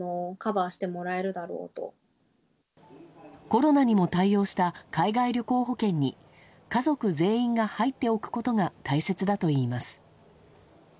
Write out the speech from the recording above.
コロナにも対応した海外旅行保険に家族全員が入っておくことが大切だといいます。